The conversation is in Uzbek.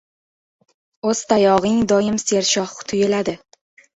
• O‘z tayog‘ing doim sershox tuyuladi.